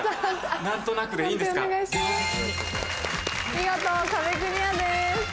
見事壁クリアです。